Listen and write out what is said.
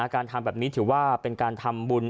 การทำแบบนี้ถือว่าเป็นการทำบุญ